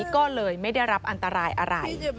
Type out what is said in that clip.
ก็เลยไม่ได้รับอันตรายอะไร